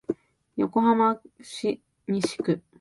横浜市西区